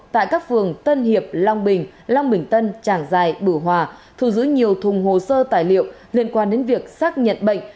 tại các phường tân hiệp long bình long bình tân trảng giài bửu hòa thu giữ nhiều thùng hồ sơ tài liệu liên quan đến việc xác nhận bệnh